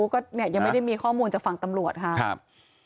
ก็เนี่ยยังไม่ได้มีข้อมูลจากฝั่งตำรวจค่ะครับ